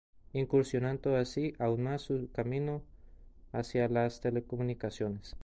Incursionando así aún más su camino hacia las telecomunicaciones.